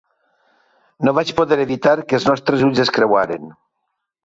No vaig poder evitar que els nostres ulls es creuaren.